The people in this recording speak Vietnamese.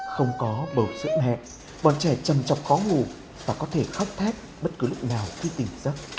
không có bầu giữa mẹ bọn trẻ trầm trọc khó ngủ và có thể khóc thét bất cứ lúc nào khi tỉnh giấc